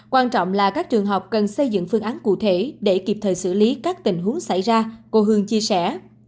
quan trọng là các trường học cần xây dựng phương án cụ thể để kịp thời xử lý các tình huống xảy ra cô hương chia sẻ